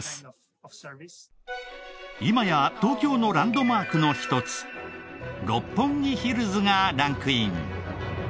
今や東京のランドマークの一つ六本木ヒルズがランクイン。